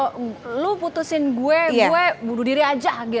kamu putuskan saya saya bunuh diri saja